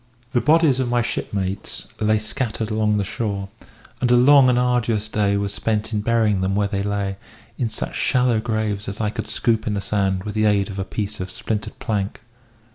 The bodies of my shipmates lay scattered along the shore; and a long and arduous day was spent in burying them where they lay, in such shallow graves as I could scoop in the sand with the aid of a piece of splintered plank.